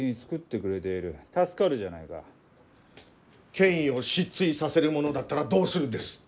権威を失墜させるものだったらどうするんです？